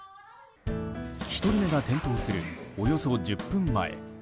１人目が転倒するおよそ１０分前。